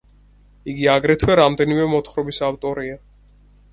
იგი აგრეთვე რამდენიმე მოთხრობის ავტორია.